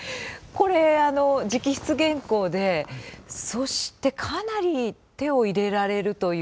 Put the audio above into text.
これ直筆原稿でそしてかなり手を入れられるということで有名ですよね。